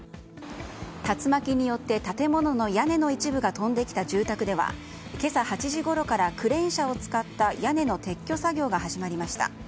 竜巻によって建物の屋根の一部が飛んできた住宅では今朝８時ごろからクレーン車を使った屋根の撤去作業が始まりました。